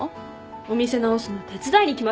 お店直すの手伝いに来ました。